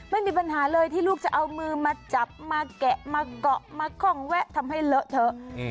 ไม่มีปัญหาเลยที่ลูกจะเอามือมาจับมาแกะมาเกาะมาคล่องแวะทำให้เลอะเถอะ